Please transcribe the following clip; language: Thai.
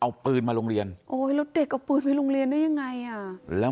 เอาปืนมาโรงเรียนโอ้ยแล้วเด็กเอาปืนไปโรงเรียนได้ยังไงอ่ะแล้ว